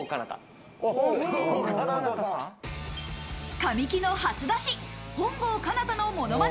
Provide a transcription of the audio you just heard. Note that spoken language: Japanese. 神木の初出し、本郷奏多のモノマネ